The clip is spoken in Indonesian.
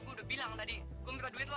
gue udah bilang tadi gue ngera duit lo